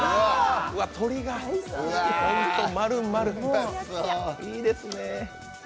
鶏が丸々、いいですね。